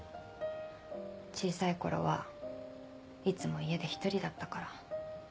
小さい頃はいつも家で一人だったから。